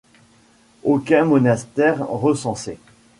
Aucun monastère recensé.